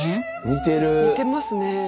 似てますね。